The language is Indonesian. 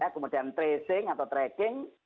kemudian tracing atau tracking